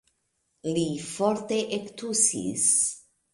Li forte ektusis.